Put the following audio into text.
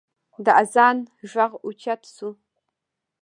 د اذان غږ اوچت شو.